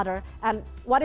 dan apa update terakhir